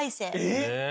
えっ！？